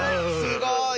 すごい！